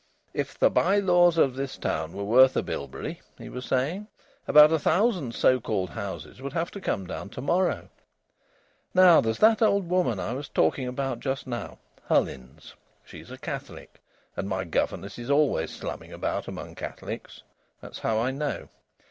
"If the by laws of this town were worth a bilberry," he was saying, "about a thousand so called houses would have to come down to morrow. Now there's that old woman I was talking about just now Hullins. She's a Catholic and my governess is always slumming about among Catholics that's how I know.